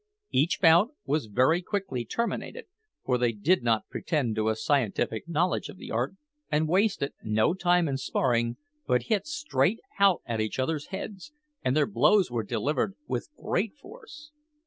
Each bout was very quickly terminated; for they did not pretend to a scientific knowledge of the art, and wasted, no time in sparring, but hit straight out at each other's heads, and their blows were delivered with great force.